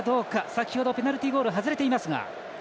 先ほどはペナルティゴール外れていますが。